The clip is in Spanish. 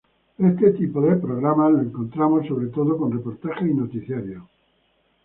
Este tipo de programas lo encontramos sobre todo con reportajes y noticiarios.